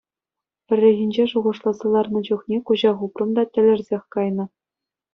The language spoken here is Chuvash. Пӗррехинче шухӑшласа ларнӑ чухне куҫа хупрӑм та — тӗлӗрсех кайнӑ.